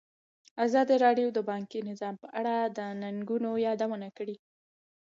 ازادي راډیو د بانکي نظام په اړه د ننګونو یادونه کړې.